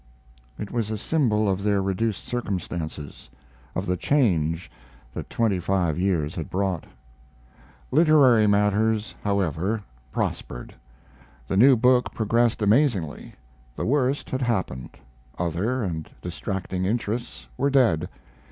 It was a symbol of their reduced circumstances of the change that twenty five years had brought. Literary matters, however, prospered. The new book progressed amazingly. The worst had happened; other and distracting interests were dead.